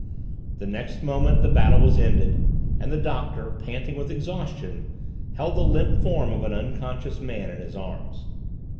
The next moment the battle was ended and the Doctor, panting with exhaustion, held the limp form of an unconscious man in his arms.